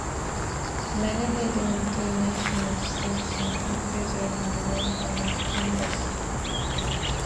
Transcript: Many leading international schools in countries around the world are members.